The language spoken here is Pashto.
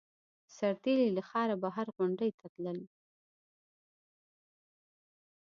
سرتېري له ښاره بهر غونډیو ته تلل.